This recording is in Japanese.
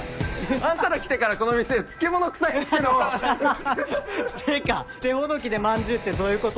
あんたら来てからこの店漬物臭いんすけどってか手ほどきでまんじゅうってどういうこと？